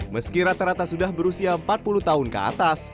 meski rata rata sudah berusia empat puluh tahun ke atas